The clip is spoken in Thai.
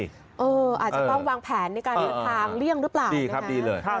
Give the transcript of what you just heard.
อาจจะต้องวางแผนในการเรียนทางเลี่ยงหรือเปล่า